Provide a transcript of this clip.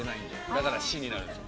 だから「シ」になるんですよ。